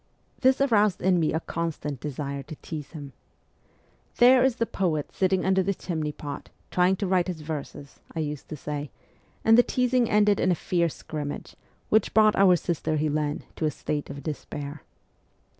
This aroused in me a constant desire to tease him. ' There is the poet sitting under the chimney pot, trying to write his verses,' I used to say ; and the teasing ended in a fierce scrimmage, which brought our sister Helene to a state of despair.